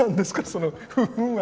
その。